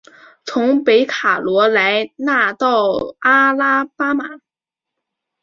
从北卡罗来纳到阿拉巴马。